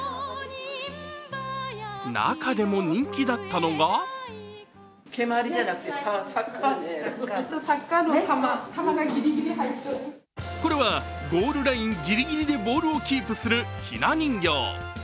中でも人気だったのがこれはゴールラインギリギリでボールをキープするひな人形。